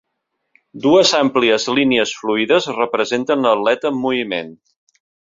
Dues àmplies línies fluides representen l'atleta en moviment.